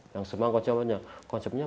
yang semua konsepnya